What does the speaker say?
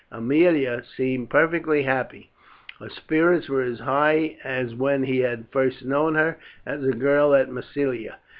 Aemilia seemed perfectly happy, her spirits were as high now as when he had first known her as a girl at Massilia.